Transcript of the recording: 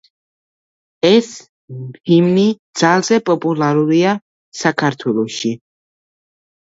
ეს ჰიმნი ძალზე პოპულარულია საქართველოში.